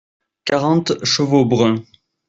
Quarante chevaux bruns.